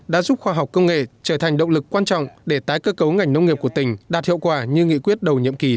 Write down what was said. đã giúp khoa học công nghệ trở thành động lực quan trọng để tái cơ cấu ngành nông nghiệp của tỉnh đạt hiệu quả như nghị quyết đầu nhiệm kỳ